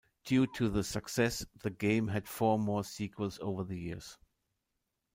Due to the success, the game had four more sequels over the years.